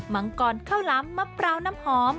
มังกรข้าวล้ำมะพร้าวน้ำหอม